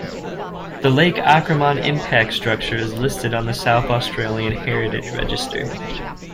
The Lake Acraman Impact Structure is listed on the South Australian Heritage Register.